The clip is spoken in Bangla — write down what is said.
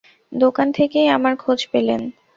দোকান থেকেই আমার খোঁজ পেলেন?